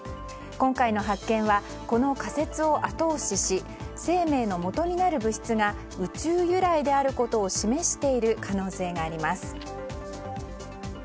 今回の発見はこの仮説を後押しし生命のもとになる物質が宇宙由来であることを示している可能性があります。